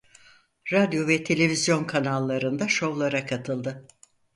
Radyo ve televizyon kanallarında şovlara katıldı.